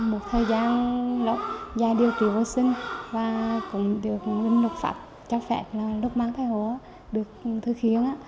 vì sau một thời gian lâu dài điều trị vô sinh và cũng được lục pháp cho phép lúc mang thai hộ được thực hiện